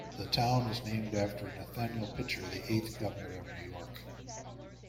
The town is named after Nathaniel Pitcher, the eighth governor of New York.